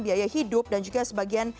biaya hidup dan juga sebagian